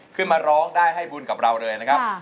ขึ้นมาร้องได้ให้บุญกับเราเลยนะครับ